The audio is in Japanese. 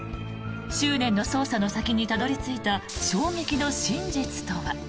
執念の捜査の先にたどり着いた衝撃の真実とは。